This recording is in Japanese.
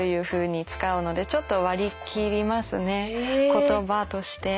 言葉として。